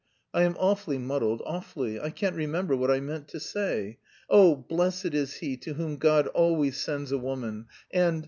I am awfully muddled, awfully. I can't remember what I meant to say. Oh, blessed is he to whom God always sends a woman and...